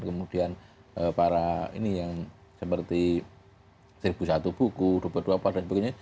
kemudian para ini yang seperti seribu satu buku